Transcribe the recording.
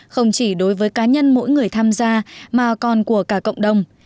không chỉ đối với cá nhân mỗi người tham gia mà còn của cả cộng đồng